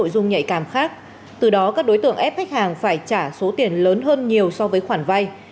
tài sản khác từ đó các đối tượng ép khách hàng phải trả số tiền lớn hơn nhiều so với khoản vay